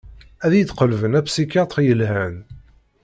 Ad iyi-d-qelben apsikyaṭr yelhan.